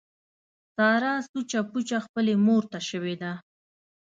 ساره سوچه پوچه خپلې مورته شوې ده.